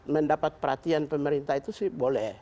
mendapat perhatian pemerintah itu sih boleh